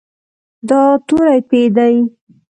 دا توری "پ" دی.